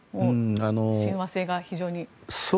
親和性が非常に。